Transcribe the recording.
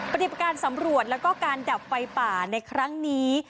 ปฏิบัติการสำรวจแล้วก็การดับไฟป่าในครั้งนี้